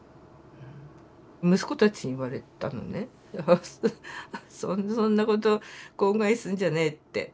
息子たちに言われたのねそんなこと口外すんじゃねえって。